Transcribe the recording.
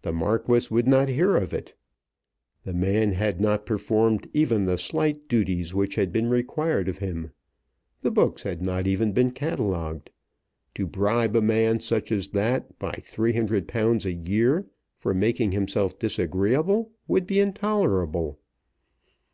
The Marquis would not hear of it. The man had not performed even the slight duties which had been required of him. The books had not even been catalogued. To bribe a man, such as that, by £300 a year for making himself disagreeable would be intolerable.